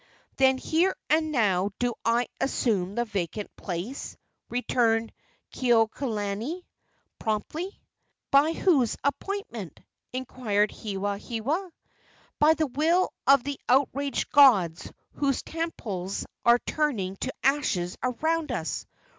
"Then here and now do I assume the vacant place," returned Kekuaokalani, promptly. "By whose appointment?" inquired Hewahewa. "By the will of the outraged gods whose temples are turning to ashes around us!"